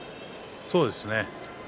そうですね。